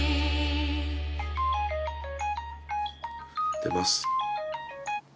出ます。